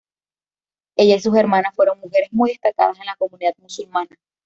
Ella y sus hermanas fueron mujeres muy destacadas en la comunidad musulmana.